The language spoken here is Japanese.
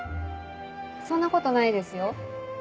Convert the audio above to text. そんなことないですよ。